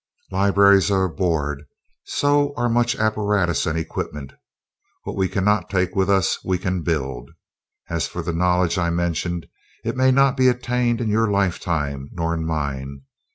"Libraries are aboard, so are much apparatus and equipment. What we cannot take with us we can build. As for the knowledge I mentioned, it may not be attained in your lifetime nor in mine.